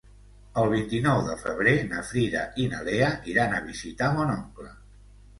El vint-i-nou de febrer na Frida i na Lea iran a visitar mon oncle.